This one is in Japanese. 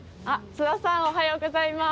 津田さんおはようございます。